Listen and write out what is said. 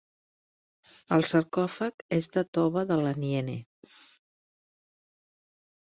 El sarcòfag és de tova de l'Aniene.